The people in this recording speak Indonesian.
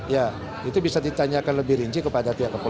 ya itu bisa ditanyakan lebih rinci kepada pihak kepolisian